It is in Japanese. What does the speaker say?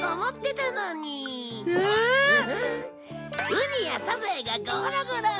ウニやサザエがゴーロゴロ。